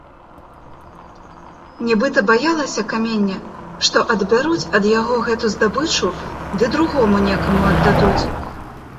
Нібыта баялася каменне, што адбяруць ад яго гэту здабычу ды другому некаму аддадуць.